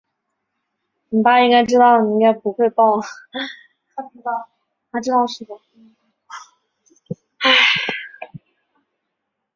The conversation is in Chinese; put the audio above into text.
每一条脑沟在解剖学上都有专有名称。